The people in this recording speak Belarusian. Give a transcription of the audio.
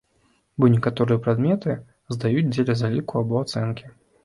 Бо некаторыя прадметы здаюць дзеля заліку або ацэнкі.